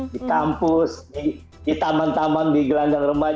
di kampus di taman taman di gelandang remaja